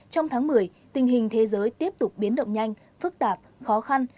trong tháng một mươi tình hình thế giới tiếp tục biến động nhanh phức tạp khó khăn